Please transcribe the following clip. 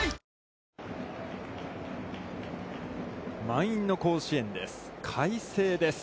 満員の甲子園です。